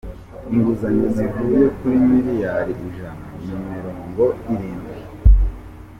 Inguzanyo zivuye kuri miliyari ijana na mirongo irindwi.